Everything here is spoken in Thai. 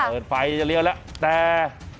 เปิดไฟจะเลี้ยวแล้วแต่